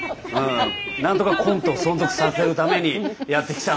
なんとかコントを存続させるためにやってきたので。